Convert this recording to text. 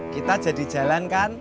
kita jadi jalan kan